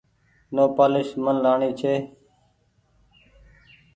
نوپآليس من لآڻي ڇي۔